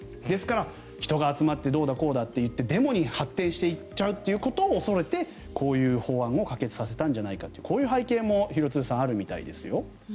ですから、人が集まってどうだこうだといってデモに発展していっちゃうということを恐れてこういう法案を可決させたんじゃないかとこういう背景も廣津留さん、あるみたいですよ。